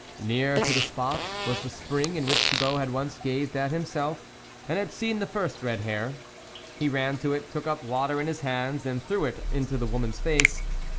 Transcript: Near to the spot was the spring in which Thibault had once gazed at himself, and had seen the first red hair ; he ran to it, took up water in his hands, and threw it into the woman's face.